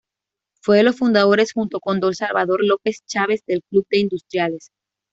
Fue de los fundadores junto con Don Salvador López Chávez del Club de Industriales.